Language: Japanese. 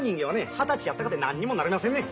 二十歳やったかて何にもなれませんねん。